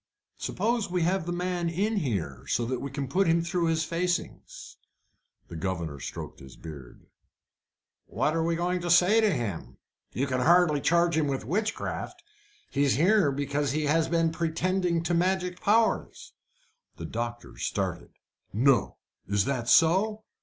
"Suppose we have the man in here, so that we can put him through his facings?" The governor stroked his beard "What are you going to say to him? You can hardly charge him with witchcraft. He is here because he has been pretending to magic powers." The doctor started. "No! Is that so?